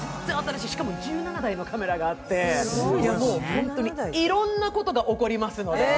しかも１７台のカメラがあって本当にいろんなことが起こります。